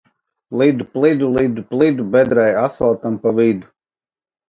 Lidu plidu, lidu plidu, bedrē asfaltam pa vidu!